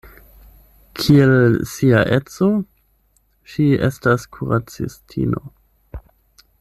Kiel sia edzo, ŝi estas kuracistino.